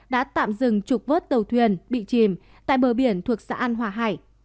đã tạm dừng trục vớt tàu thuyền bị chìm tại bờ biển thuộc xã an hòa hải